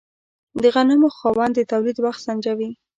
د غنمو خاوند د تولید وخت سنجوي.